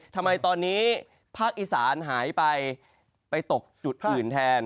ทำไมตอนนี้ภาคอีสานหายไปไปตกจุดอื่นแทน